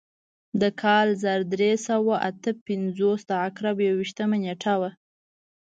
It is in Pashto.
د کال زر درې سوه اته پنځوس د عقرب یو ویشتمه نېټه وه.